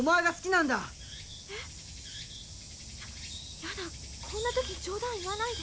ややだこんな時冗談言わないで。